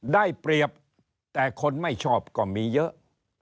ได้เปรียบแต่คนไม่ชอบก็มีเยอะ